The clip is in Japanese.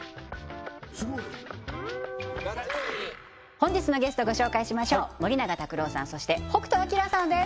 本日のゲストご紹介しましょう森永卓郎さんそして北斗晶さんです